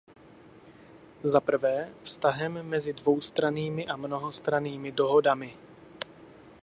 Za prvé, vztahem mezi dvoustrannými a mnohostrannými dohodami.